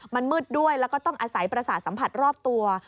มันมืดด้วยแล้วก็ต้องอาศัยประสาทสัมผัสรอบตัว